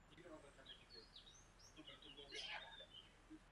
Na jeho místě se dnes nachází parkoviště.